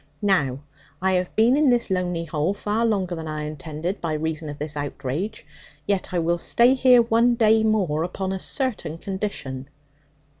Now, I have been in this lonely hole far longer than I intended, by reason of this outrage; yet I will stay here one day more upon a certain condition.'